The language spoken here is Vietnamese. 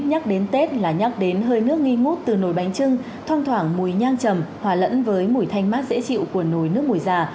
nhắc đến tết là nhắc đến hơi nước nghi ngút từ nồi bánh trưng thông thoảng mùi nhang trầm hòa lẫn với mùi thanh mát dễ chịu của nồi nước mùi già